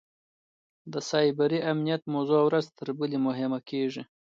د سایبري امنیت موضوع ورځ تر بلې مهمه کېږي.